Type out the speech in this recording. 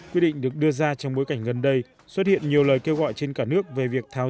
quyết định được đưa ra trong bối cảnh gần đây xuất hiện nhiều lời kêu gọi trên cả nước về việc tháo